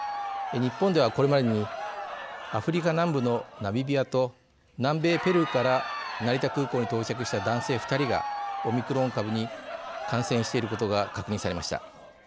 日本では、これまでにアフリカ南部のナミビアと南米ペルーから成田空港に到着した男性２人がオミクロン株に感染していることが確認されました。